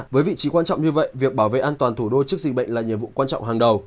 với vị trí quan trọng như vậy việc bảo vệ an toàn thủ đô trước dịch bệnh là nhiệm vụ quan trọng hàng đầu